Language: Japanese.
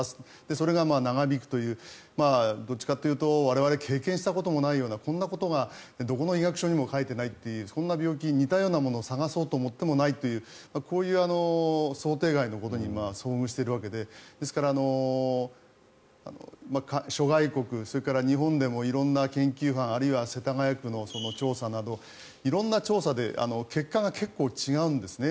それが長引くというどっちかというと我々が経験したこともないようなこんなことがどこの医学書にも書いていないというそんな病気に似たようなものを探そうと思ってもないというこういう想定外のことに遭遇しているわけでですから、諸外国それから日本でも色んな研究班あるいは世田谷区の調査など色んな調査で結果が結構違うんですね。